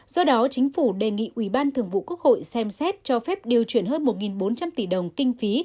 do đó chính phủ đề nghị ủy ban thường vụ quốc hội xem xét cho phép điều chuyển hơn một bốn trăm linh tỷ đồng kinh phí